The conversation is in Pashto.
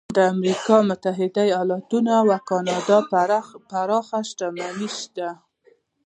د امریکا متحده ایالتونو او کاناډا پراخه شتمني شته.